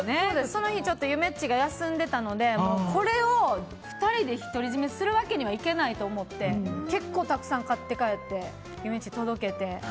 その日ゆめっちが休んでいたのでこれを２人で独り占めするわけにはいかないと思って結構たくさん買って帰ってゆめっちに届けて。